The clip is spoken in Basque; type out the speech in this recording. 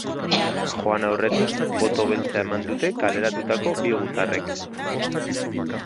Joan aurretik, boto beltza eman dute kaleratutako bi gutarrek.